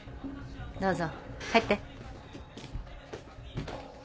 どうぞ入って。